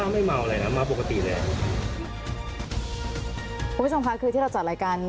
ไม่มีแน่นอนครับไม่มีแน่นอนครับ